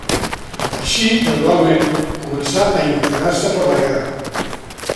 Així, gradualment, començà a inclinar-se per la guerra.